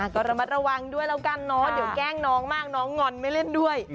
ก็ระมัดระวังด้วยแล้วกันเนอะเดี๋ยวแกล้งน้องมากน้องงอนไม่เล่นด้วย